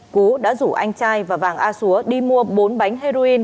cú đã rủ anh trai và vàng a xúa đi mua bốn bánh heroin